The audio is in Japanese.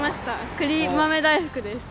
栗豆大福です。